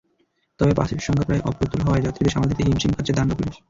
তবে বাসের সংখ্যা অপ্রতুল হওয়ায় যাত্রীদের সামাল দিতে হিমশিম খাচ্ছে দাঙ্গা পুলিশ।